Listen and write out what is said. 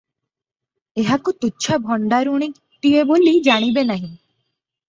ଏହାକୁ ତୁଚ୍ଛା ଭଣ୍ତାରୁଣୀଟିଏ ବୋଲି ଜାଣିବେ ନାହିଁ ।